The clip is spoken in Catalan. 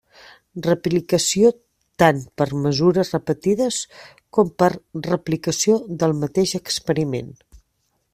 Replicació tant per mesures repetides com per replicació del mateix experiment.